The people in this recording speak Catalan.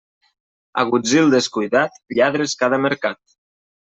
Agutzil descuidat, lladres cada mercat.